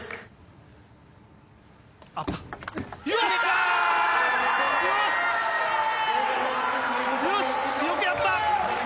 よし、よくやった！